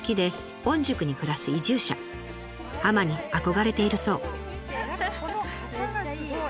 海女に憧れているそう。